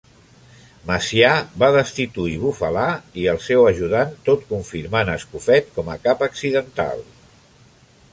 Macià va destituir Bufalà i el seu ajudant tot confirmant Escofet com a cap accidental.